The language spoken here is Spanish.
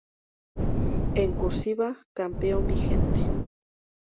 En "Cursiva," campeón vigente.